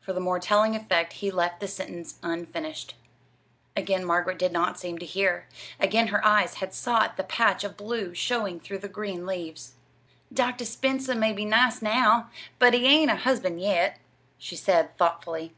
For the more telling effect he left the sentence unfinished. Again Margaret did not seem to hear. Again her eyes had sought the patch of blue showing through the green leaves. "Dr. Spencer may be nice now, but he ain't a husband yet," she said, thoughtfully.